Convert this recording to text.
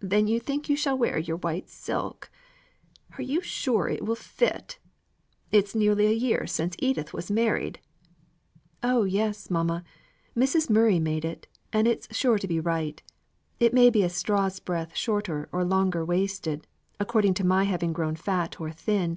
"Then you think you shall wear your white silk. Are you sure it will fit? It's nearly a year since Edith was married!" "Oh, yes, mamma! Mrs. Murray made it, and it's sure to be right; it may be a straw's breadth shorter or longer waisted, according to my having grown fat or thin.